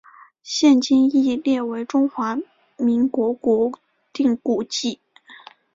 现今亦列为中华民国国定古迹。